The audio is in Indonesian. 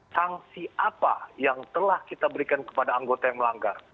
sanksi apa yang telah kita berikan kepada anggota yang melanggar